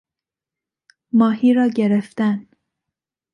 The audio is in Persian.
ماهی را گرفتن